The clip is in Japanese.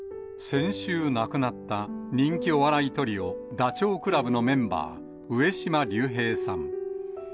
先週亡くなった人気お笑いトリオ、ダチョウ倶楽部のメンバー、上島竜兵さん。